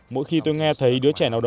mỗi khi tôi nghe thấy đứa trẻ nào đó